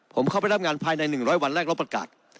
ผมเข้าไปรับงานภายในหนึ่งร้อยวันแรกแล้วประกาศ